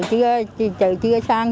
trừ chia sang